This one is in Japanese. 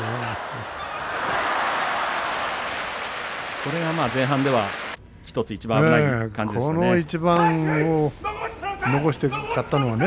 これが前半では１つ一番危ない感じでしたね。